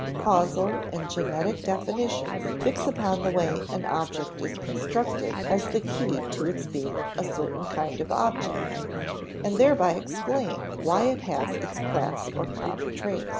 Causal and genetic definitions fix upon the way an object is constructed as the key to its being a certain kind of object, and thereby explain why it has its class or common traits.